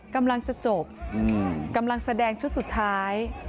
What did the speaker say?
กำลังจะจบกำลังแสดงชุดสุดท้าย